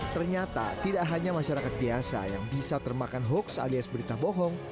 ternyata tidak hanya masyarakat biasa yang bisa termakan hoax alias berita bohong